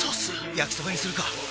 焼きそばにするか！